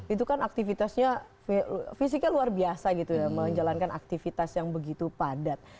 itu kan aktivitasnya fisiknya luar biasa gitu ya menjalankan aktivitas yang begitu padat